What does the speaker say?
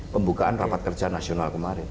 pembukaan rapat kerja nasional kemarin